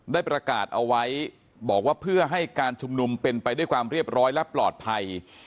ได้ประกาศเอาไว้บอกว่าเพื่อให้การชุมนุมเป็นไปด้วยความเรียบร้อยและปลอดภัย